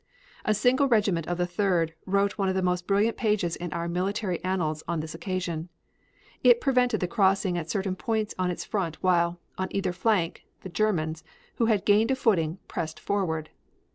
A single regiment of the Third wrote one of the most brilliant pages in our military annals on this occasion. It prevented the crossing at certain points on its front while, on either flank, the Germans, who had gained a footing, pressed forward.